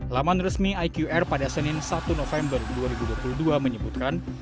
laman resmi iqr pada senin satu november dua ribu dua puluh dua menyebutkan